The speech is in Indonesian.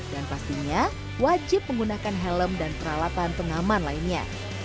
dan pastinya wajib menggunakan helm dan peralatan pengaman lainnya